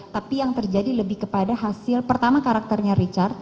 tapi yang terjadi lebih kepada hasil pertama karakternya richard